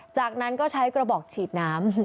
จากนั้นก็ใช้กระบอกฉีดน้ำ